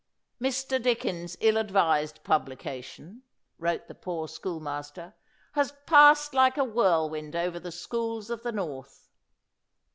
"Mr. Dickens's ill advised publication," wrote the poor schoolmaster, "has passed like a whirlwind over the schools of the North."